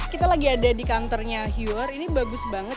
kita lagi ada di kantornya hiuar ini bagus banget